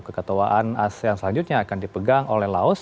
keketuaan asean selanjutnya akan dipegang oleh laos